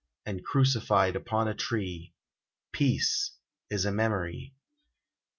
And crucified upon a tree, Peace is a memory !